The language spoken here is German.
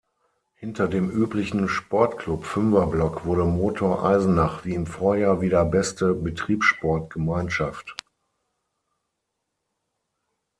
Hinter dem üblichen Sportclub-Fünferblock wurde Motor Eisenach wie im Vorjahr wieder beste Betriebssportgemeinschaft.